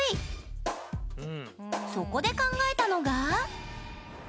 そこで考えたのが。